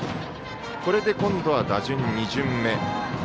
これで今度は打順が２巡目。